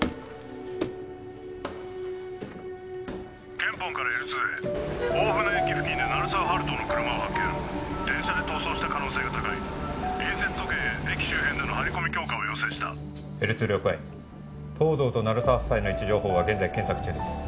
ゲンポンからＬ２へ大船駅付近で鳴沢温人の車を発見電車で逃走した可能性が高い隣接都県へ駅周辺での張り込み強化を要請したＬ２了解東堂と鳴沢夫妻の位置情報は現在検索中です